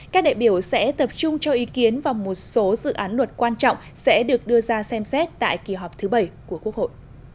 các đại biểu sẽ tập trung cho ý kiến vào một số dự án luật quan trọng sẽ được đưa ra xem xét tại kỳ họp thứ bảy của quốc hội